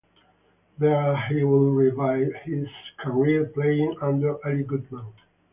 There he would revive his career playing under Eli Guttman.